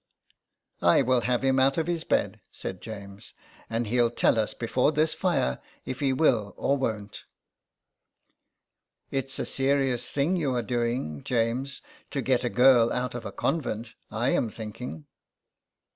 '* I will have him out of his bed," said James, " and he'll tell us before this fire if he will or won't." 135 THE EXILE, *' It's a serious thing you are doing, James, to get a girl out of a convent, I am thinking."